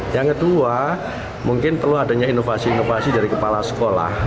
yang kedua mungkin perlu adanya inovasi inovasi dari kepala sekolah